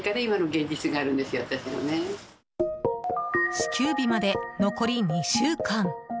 支給日まで残り２週間。